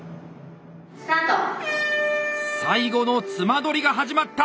最後の褄どりが始まった！